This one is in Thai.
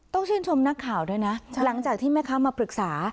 ต้องชื่นชมนักข่าวด้วยนะหลังจากที่แม่ค้ามาปรึกษา